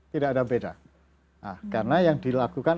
tidak ada beda karena yang dilakukan